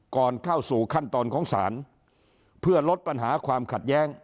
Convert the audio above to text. ก่อนเข้าสู่ขั้นตอนของศาลเพื่อลดปัญหาความขัดแย้ง